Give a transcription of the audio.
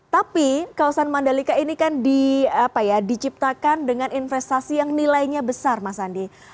tapi kawasan mandalika ini kan diciptakan dengan investasi yang nilainya berbeda